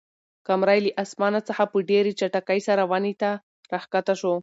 قمرۍ له اسمانه څخه په ډېرې چټکۍ سره ونې ته راښکته شوه.